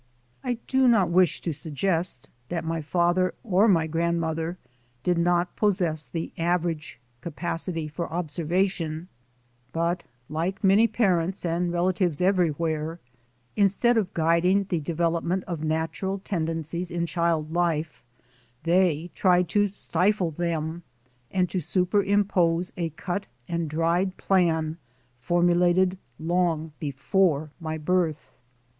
I do not wish to suggest that my father or my grandmother did not possess the average capacity for observation, but like many parents and relatives everywhere, instead of guiding the development of natural tendencies in child life, they tried to stifle them and to superimpose a cut and dried plan formulated long before my birth.